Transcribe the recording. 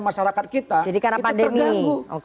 masyarakat kita terganggu